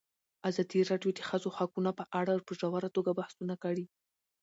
ازادي راډیو د د ښځو حقونه په اړه په ژوره توګه بحثونه کړي.